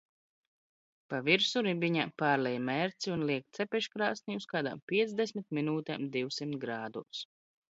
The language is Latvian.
Pa virsu ribiņām pārlej mērci un liek cepeškrāsnī uz kādām piecdesmit minūtēm divsimt grādos.